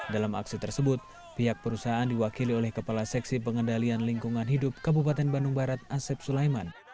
dalam aksi tersebut pihak perusahaan diwakili oleh kepala seksi pengendalian lingkungan hidup kabupaten bandung barat asep sulaiman